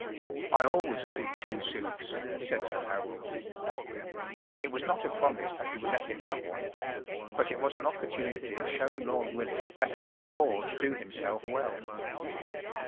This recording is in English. ” “ I always keep two suits,” said Sir Harold. It was not a promise that he would let him have one ; but it was an opportunity of show¬ ing Lord Willie that he could afford to do himself well.